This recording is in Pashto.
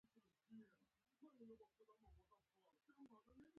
نن مې د څراغ بلب بدل کړ.